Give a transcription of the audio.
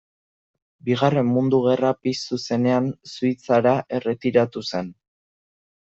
Bigarren Mundu Gerra piztu zenean, Suitzara erretiratu zen.